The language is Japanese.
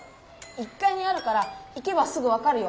１かいにあるから行けばすぐ分かるよ。